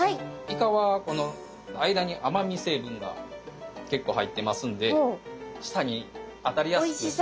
イカはこの間に甘み成分が結構入ってますんで舌に当たりやすくするために。